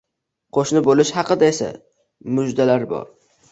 qo'shni bo'lishi haqida esa mujdalar bor.